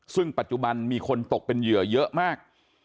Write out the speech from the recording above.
ซึ่งปัจจุบันมีคนตกเป็นเหยื่อเยอะมาก